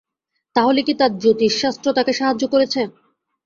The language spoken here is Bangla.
তাহলে কি তাঁর জ্যোতিষ শাস্ত্র তাঁকে সাহায্য করেছে?